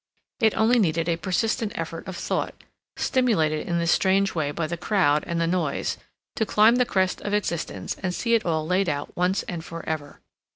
It only needed a persistent effort of thought, stimulated in this strange way by the crowd and the noise, to climb the crest of existence and see it all laid out once and for ever.